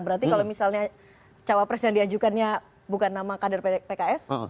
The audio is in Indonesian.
berarti kalau misalnya cawapres yang diajukannya bukan nama kader pks